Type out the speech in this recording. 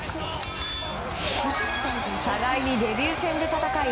互いにデビュー戦で戦い